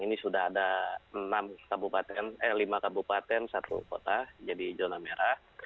yang ini sudah ada lima kabupaten satu kota jadi zona merah